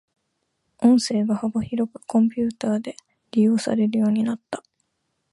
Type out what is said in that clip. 音声が幅広くコンピュータで利用されるようになった。